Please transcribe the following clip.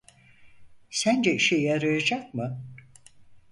Sence işe yarayacak mı?